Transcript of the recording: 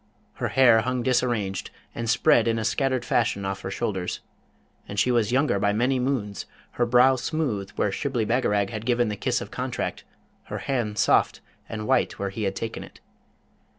Her hair hung disarranged, and spread in a scattered fashion off her shoulders; and she was younger by many moons, her brow smooth where Shibli Bagarag had given the kiss of contract, her hand soft and white where he had taken it.